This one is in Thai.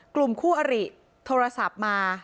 กลุ่มคู่อริโทรศัพท์มา